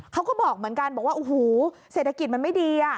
เขาก็บอกเหมือนกันบอกว่าโอ้โหเศรษฐกิจมันไม่ดี